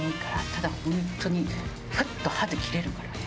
ただ本当にフッと歯で切れるからね。